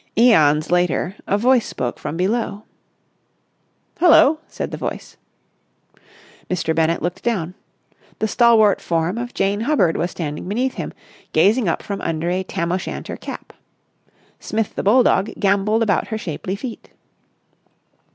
Aeons later, a voice spoke from below. "Hullo!" said the voice. Mr. Bennett looked down. The stalwart form of Jane Hubbard was standing beneath him, gazing up from under a tam o'shanter cap. Smith, the bulldog, gambolled about her shapely feet.